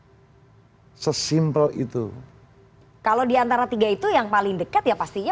diterima ibu ketua umum sesimpel itu kalau diantara tiga itu yang paling dekat ya pastinya